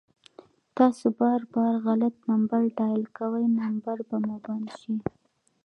تاسو بار بار غلط نمبر ډائل کوئ ، نمبر به مو بند شي